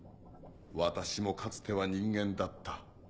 私もかつては人間だった。